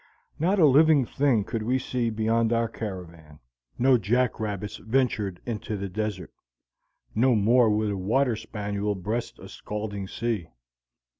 Not a living thing could we see beyond our caravan. No jack rabbits ventured into the desert; no more would a water spaniel breast a scalding sea.